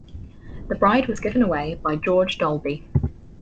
The bride was given away by George Dolby.